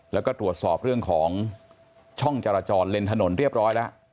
แล้วก็ตรวจสอบเรื่องของช่องจราจรเลนถนนเรียบร้อยแล้ว